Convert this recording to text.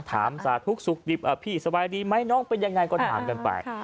สาธุสุขดิบพี่สบายดีไหมน้องเป็นยังไงก็ถามกันไป